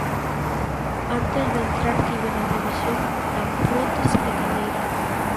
Antes de entrar tiven a revisión da prótese de cadeira.